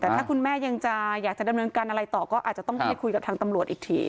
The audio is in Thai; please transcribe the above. แต่ถ้าคุณแม่ยังจะอยากจะดำเนินการอะไรต่อก็อาจจะต้องไปคุยกับทางตำรวจอีกที